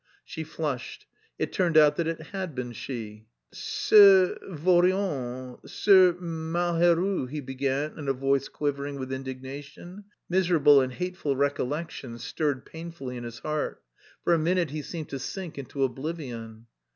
She flushed; it turned out that it had been she. "Ces vauriens, ces malheureux," he began in a voice quivering with indignation; miserable and hateful recollections stirred painfully in his heart. For a minute he seemed to sink into oblivion.